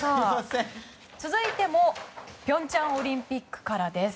続いても平昌オリンピックからです。